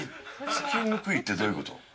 つけにくいって、どういうこと？